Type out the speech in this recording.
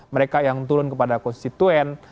mereka yang turun kepada konstituen